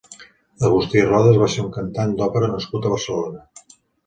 Agustí Rodas va ser un cantant d'òpera nascut a Barcelona.